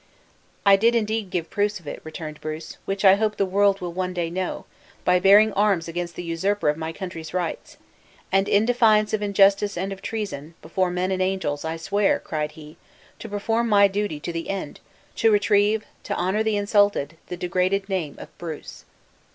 "I did indeed give proofs of it," returned Bruce, "which I hope the world will one day know, by bearing arms against the usurper of my country's rights! and in defiance of injustice and of treason, before men and angels I swear," cried he, "to perform my duty to the end to retrieve, to honor the insulted, the degraded name of Bruce!"